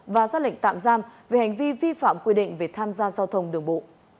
và ra lệnh tạm giam về hành vi vi phạm quy định về tham gia giao thông đường bộ